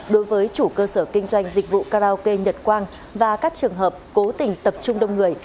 đối với chủ cơ sở kinh doanh dịch vụ karaoke nhật quang và các trường hợp cố tình tập trung đông người